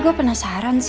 tapi gue penasaran sih